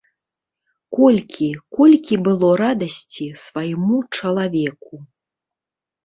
Колькі, колькі было радасці свайму чалавеку.